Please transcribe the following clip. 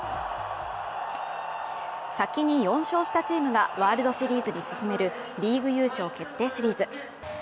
先に４勝したチームがワールドシリーズに進めるリーグ優勝決定シリーズ。